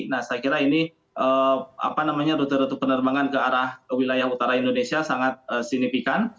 nah saya kira ini rute rute penerbangan ke arah wilayah utara indonesia sangat signifikan